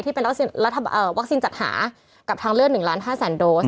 ที่เป็นวัคซีนจัดหากับทางเลือก๑๕๐๐๐๐๐โดส